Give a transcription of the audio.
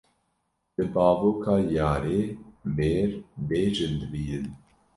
Li bavoka yarê mêr bê jin dimînin.